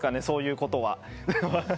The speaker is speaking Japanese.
そういうことは。